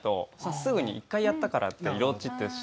すぐに１回やったからって色落ちってしないので。